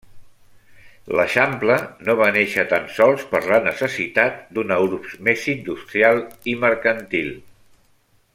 L'eixample no va néixer tan sols per la necessitat d'una urbs més industrial i mercantil.